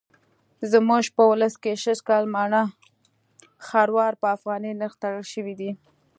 زموږ په ولس کې سږکال مڼه خروار په افغانۍ نرخ تړل شوی دی.